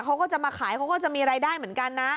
เขาก็จะมาขายเขาก็จะมีรายได้เหมือนกันนะ